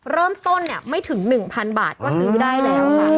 เริ่มต้นเนี่ยไม่ถึง๑๐๐๐บาทก็ซื้อได้แล้วค่ะ